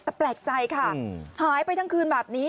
แต่แปลกใจค่ะหายไปทั้งคืนแบบนี้